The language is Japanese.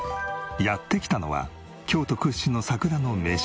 やって来たのは京都屈指の桜の名所